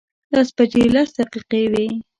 لس بجې لس دقیقې وې.